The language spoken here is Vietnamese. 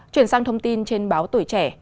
chuyển sang thông tin trên báo tuổi trẻ